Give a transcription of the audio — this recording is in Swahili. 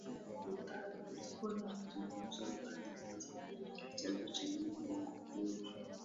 Walipokutana kulikuwa na mazungumzo ambayo yalizaa mjadala chanzo cha neno Bongofleva